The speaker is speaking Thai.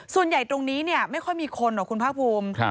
ส่วนใหญ่ตรงนี้ไม่ค่อยมีคนหรอกคุณภาคภูมิ